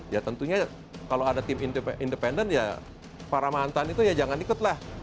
ya tentunya kalau ada tim independen ya para mantan itu ya jangan ikut lah